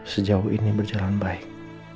sejauh ini berjalan baik